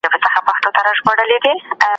خپله املا او انشا په دقت سره سمه کړئ.